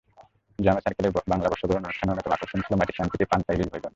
Drama সার্কেলের বাংলা বর্ষবরণ অনুষ্ঠানের অন্যতম আকর্ষণ ছিল মাটির সানকিতে পান্তা-ইলিশ ভোজন।